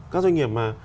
các doanh nghiệp mà